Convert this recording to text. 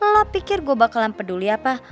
lo pikir gue bakalan peduli apa